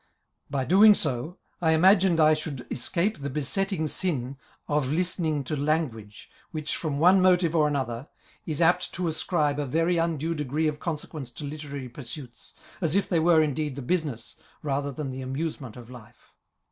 By doing so, I ima gined I should escape the besetting sin of listening to language, which, from one motive or other, is apt to ascribe a very undue degree of consequence to literary pursuits, as if they were, indeed, the business, rather than the amusement, of life.